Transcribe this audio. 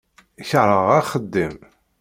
Keṛheɣ axeddim.